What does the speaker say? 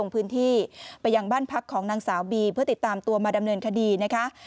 พื้นที่ไปยังบ้านพักของนางสาวบีเพื่อติดตามตัวมาดำเนินคดีนะคะ